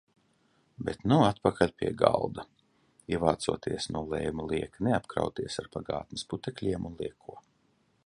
Bet atpakaļ pie galda. Ievācoties nolēmu lieki neapkrauties ar pagātnes putekļiem un lieko.